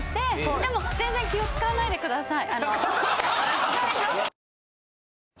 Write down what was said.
でも全然気を使わないでください。